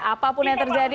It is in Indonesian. apapun yang terjadi